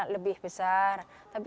lebih cantik ya